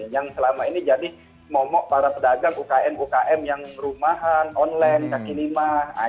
yang selama ini jadi momok para pedagang ukm ukm yang rumahan online kaki lima